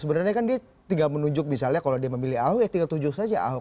sebenarnya kan dia tinggal menunjuk misalnya kalau dia memilih ahok ya tinggal tunjuk saja ahok